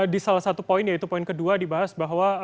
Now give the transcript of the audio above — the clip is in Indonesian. di salah satu poin yaitu poin kedua dibahas bahwa